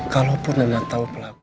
kalaupun nona tahu pelakunya